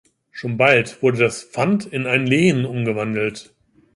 Schon bald wurde das Pfand in ein Lehen umgewandelt.